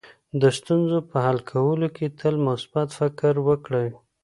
د ستونزو په حل کولو کې تل مثبت فکر وکړئ.